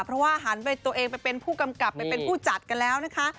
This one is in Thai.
เพราะว่าหันไปตัวเองไปเป็นผู้กำกับไปเป็นผู้จัดกันแล้วนะคะ